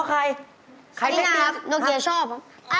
ใครไม่ดีอะไรนะครับโนเกียร์ชอบ